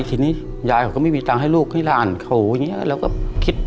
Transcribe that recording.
ทีนี้ยายเขาก็ไม่มีตังค์ให้ลูกให้หลานเขาอย่างนี้เราก็คิด